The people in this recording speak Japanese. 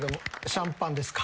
シャンパンですか？